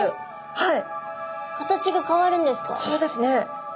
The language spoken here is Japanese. はい。